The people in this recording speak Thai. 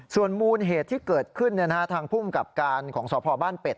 ส่วนมูลเหตุที่เกิดขึ้นทางภูมิกับการของสพบ้านเป็ด